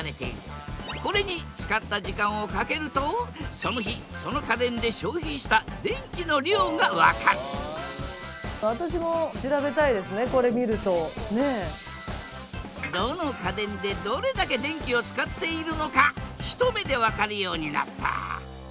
これに使った時間を掛けるとその日その家電で消費した電気の量が分かるどの家電でどれだけ電気を使っているのか一目で分かるようになった。